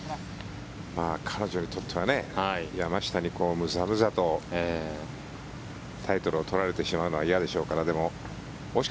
彼女にとっては山下にむざむざとタイトルを取られてしまうのは嫌でしょうから。